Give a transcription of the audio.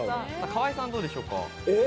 河井さん、どうでしょうか？